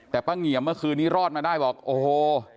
แต่ป้าเงียมเมื่อคืนนี้รอดมาได้บอกโอ้โห